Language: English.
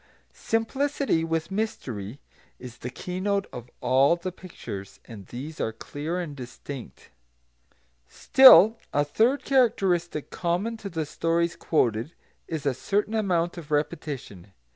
Simplicity, with mystery, is the keynote of all the pictures, and these are clear and distinct. Still a third characteristic common to the stories quoted is a certain amount of repetition.